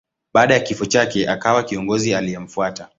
Baada ya kifo chake akawa kiongozi aliyemfuata.